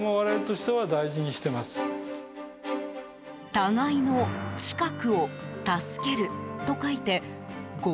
互いの近くを助けると書いて互